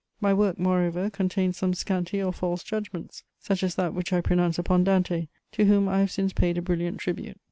My work, moreover, contains some scanty or false judgments, such as that which I pronounce upon Dante, to whom I have since paid a brilliant tribute.